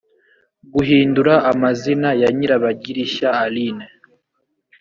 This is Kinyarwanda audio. guhindura amazina ya nyirabagirishya aline